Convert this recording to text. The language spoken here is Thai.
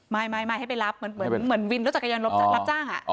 ไม่ไม่ไม่ให้ไปรับเหมือนเหมือนวินรถจักรยานรถรับจ้างอ่ะ